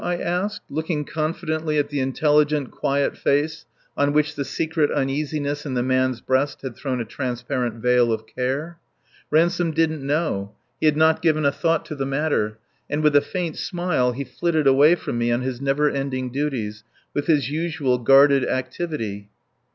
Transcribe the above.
I asked, looking confidently at the intelligent, quiet face on which the secret uneasiness in the man's breast had thrown a transparent veil of care. Ransome didn't know. He had not given a thought to the matter. And with a faint smile he flitted away from me on his never ending duties, with his usual guarded activity.